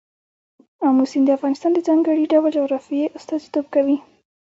آمو سیند د افغانستان د ځانګړي ډول جغرافیه استازیتوب کوي.